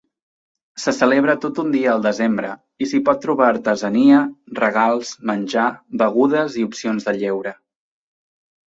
Se celebra tot un dia al desembre i s'hi pot trobar artesania, regals, menjar, begudes i opcions de lleure.